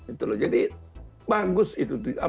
itu loh jadi bagus itu